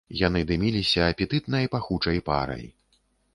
Яны дыміліся апетытнай пахучай парай.